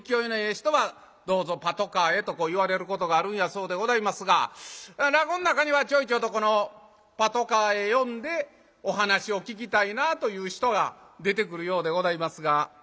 人は「どうぞパトカーへ」とこう言われることがあるんやそうでございますが落語ん中にはちょいちょいとこのパトカーへ呼んでお話を聞きたいなあという人が出てくるようでございますが。